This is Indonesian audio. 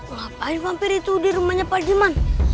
ngapain vampir itu di rumahnya pak diman